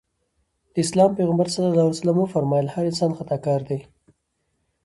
د اسلام پيغمبر ص وفرمایل هر انسان خطاکار دی.